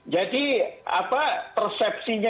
jadi apa persepsinya